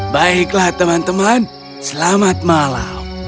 baiklah teman teman selamat malam